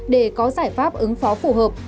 để có giải pháp ứng phó phù hợp